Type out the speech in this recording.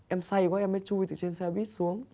em say quá em mới chui từ trên xe buýt xuống